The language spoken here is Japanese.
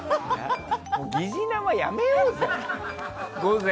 疑似生やめようぜ！